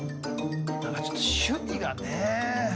何かちょっと趣味がね。